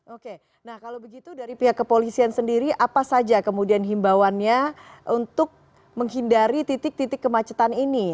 oke nah kalau begitu dari pihak kepolisian sendiri apa saja kemudian himbawannya untuk menghindari titik titik kemacetan ini